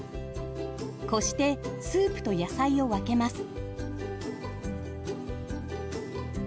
こしてスープと野菜を分けます。